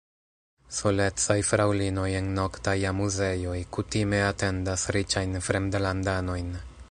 Solecaj fraŭlinoj en noktaj amuzejoj kutime atendas riĉajn fremdlandanojn.